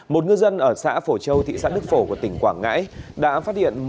một ngư dân ở xã phổ châu thị xã đức phổ của tỉnh quảng ngãi đã phát hiện